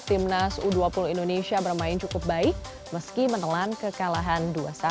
timnas u dua puluh indonesia bermain cukup baik meski menelan kekalahan dua satu